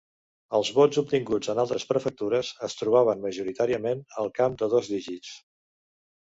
Els vots obtinguts en altres prefectures es trobaven majoritàriament al camp de dos dígits.